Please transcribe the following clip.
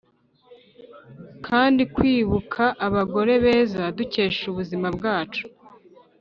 kandi kwibuka abagore beza dukesha ubuzima bwacu,